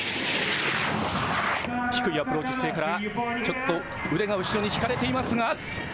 低いアプローチ姿勢から、ちょっと腕が後ろに引かれていますが。